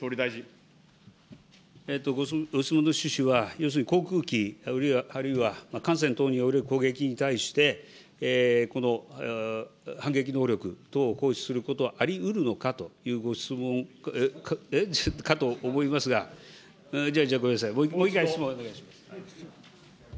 ご質問の趣旨は、要するに航空機、あるいは艦船等による攻撃に対して、この反撃能力等を行使することはありうるのかというご質問かと思いますが、じゃあごめんなさい、もう一回、質問お願いします。